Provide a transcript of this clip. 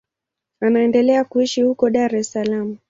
Anaendelea kuishi huko Dar es Salaam.